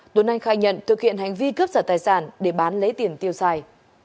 tuấn anh khai nhận thực hiện hành vi cướp giật tài sản để bán lấy tiền tiêu xài